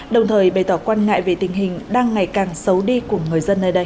đồng thời bày tỏ quan ngại về tình hình đang ngày càng xấu đi của người dân nơi đây